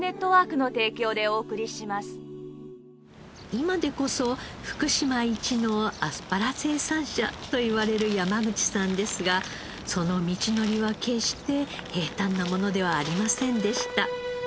今でこそ福島一のアスパラ生産者といわれる山口さんですがその道のりは決して平坦なものではありませんでした。